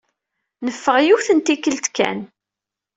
Neffeɣ yiwet n tikkelt kan.